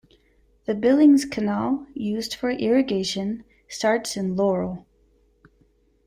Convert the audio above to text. The Billings Canal, used for irrigation, starts in Laurel.